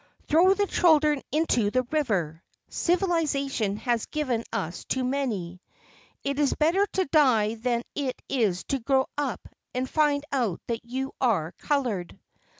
Throw the children into the river; civilization has given us too many. It is better to die than it is to grow up and find out that you are colored.